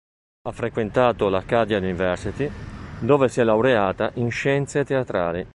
Ha frequentato l'Acadia University dove si è laureata in Scienze Teatrali.